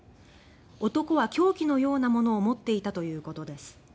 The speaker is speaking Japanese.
男は凶器のようなものを持っていたということです。